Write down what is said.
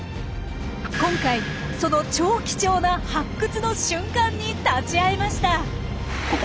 今回その超貴重な発掘の瞬間に立ち会えました！